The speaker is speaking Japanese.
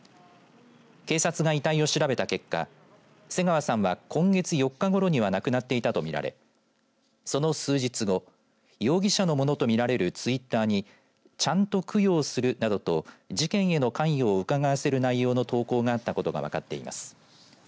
警察が遺体を調べた結果瀬川さんは今月４日ごろは亡くなっていたと見られその数日後容疑者のものと見られるツイッターにちゃんと供養する、などと事件への関与をうかがわせる投稿があったことが分かっています。